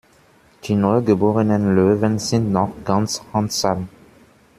Die neugeborenen Löwen sind noch ganz handzahm.